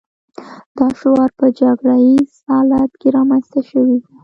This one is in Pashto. دا شعار په جګړه ییز حالت کې رامنځته شوی و